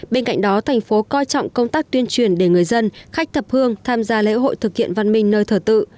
bên cạnh đó thành phố coi trọng công tác tuyên truyền để người dân khách thập hương tham gia lễ hội thực hiện văn minh nơi thờ tự